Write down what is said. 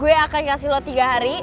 gue akan ngasih lo tiga hari